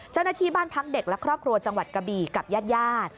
เจ้าหน้าที่บ้านพักเด็กและครอบครัวจังหวัดกะบี่กับญาติญาติ